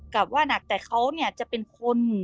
กลับว่านักแต่เขาเนี่ยจะเป็นคน